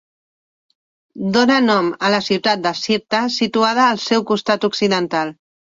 Dóna nom a la ciutat de Sirta, situada al seu costat occidental.